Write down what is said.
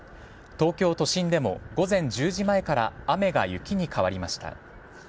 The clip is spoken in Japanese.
東京都心でも午前１０時前から雨が雪に変わりました。